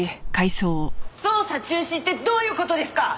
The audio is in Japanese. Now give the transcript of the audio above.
捜査中止ってどういう事ですか！？